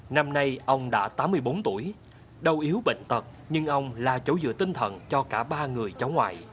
năm nay ông đã tám mươi bốn tuổi đau yếu bệnh tật nhưng ông là chỗ dựa tinh thần cho cả ba người cháu ngoại